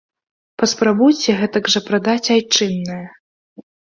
Паспрабуйце гэтак жа прадаць айчыннае.